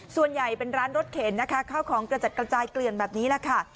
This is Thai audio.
ส่วนใหญ่เป็นร้านรถเข็นนะคะข้าวของกระจัดกระจายเกลื่อนแบบนี้แหละค่ะ